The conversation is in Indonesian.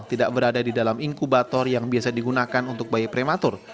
tidak berada di dalam inkubator yang biasa digunakan untuk bayi prematur